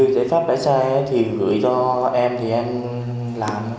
giấy phép lái xe thì gửi cho em thì em làm